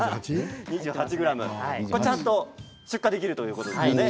これ、ちゃんと出荷できるということですよね？